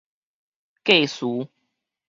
繼嗣